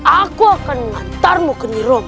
aku akan mengantarmu ke nirup